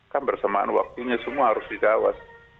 kan bersamaan waktunya semua harus dijawas